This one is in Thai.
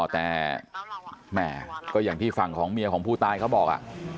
แต่แหม่ก็อย่างที่ฝั่งของเมียของผู้ตายเขาบอก